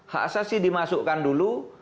hak asasi dimasukkan dulu